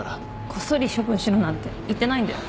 こっそり処分しろなんて言ってないんだよ。